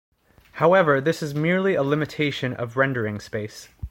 However, this is merely a limitation of rendering space.